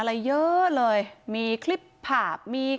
ทรัพย์สินที่เป็นของฝ่ายหญิง